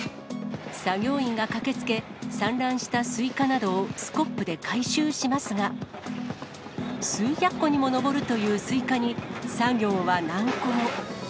作業員が駆けつけ、散乱したスイカなどをスコップで回収しますが、数百個にも上るスイカに、作業は難航。